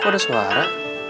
kok ada suara